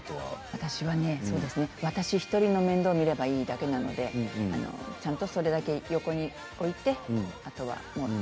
私は自分１人の面倒を見られればいいだけなのでちょっとそれは横に置いて。